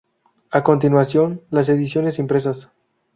A continuación, las ediciones impresas.